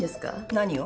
何を？